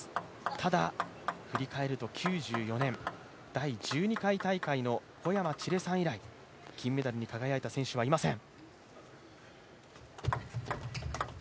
ただ、振り返ると９４年、第１２回大会の小山ちれさん以来、金メダルに輝いた選手はいません。